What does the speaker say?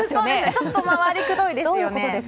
ちょっと回りくどいですよね。